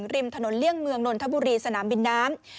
ริมถนนเลี่ยงเมืองนนทบุรีสนามบินน้ำ